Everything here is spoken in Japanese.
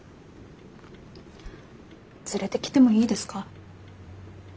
連れてきてもいいですか？